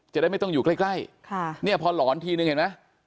จะได้ไม่ต้องอยู่ใกล้พอหลอนทีนึงเห็นไหม